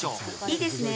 いいですね。